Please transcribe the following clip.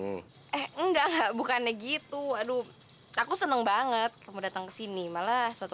boleh mampir kesini eh enggak bukannya gitu aduh aku seneng banget kamu datang kesini malah suatu